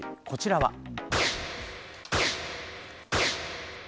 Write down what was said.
こちらは。